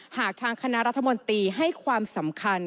หากทางคณะรัฐมนตรีให้ความสำคัญ